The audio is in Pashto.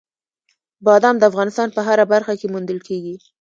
بادام د افغانستان په هره برخه کې موندل کېږي.